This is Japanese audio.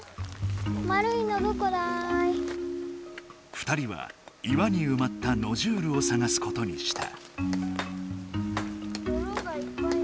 ２人は岩にうまったノジュールをさがすことにした。